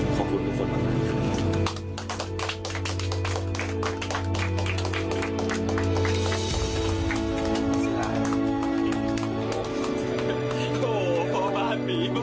ขอบคุณทุกคนมากมายค่ะ